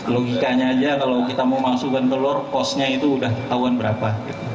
logikanya aja kalau kita mau masukkan telur kosnya itu udah ketahuan berapa